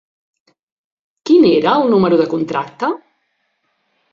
Quin era el número de contracte?